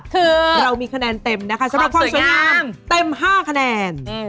คือเรามีคะแนนเต็มนะคะสำหรับความสวยงามเต็ม๕คะแนน